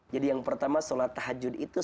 jadi yang pertama salat tahajud itu